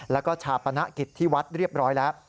แล้วก็ชาปนกิจที่วัดเรียบร้อยแล้ว